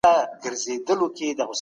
په پښتو کي د غیرت او ننګ کیسې ډېري دي